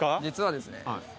実はですね